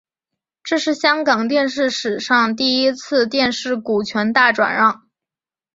这是香港电视史上第一次电视股权大转让。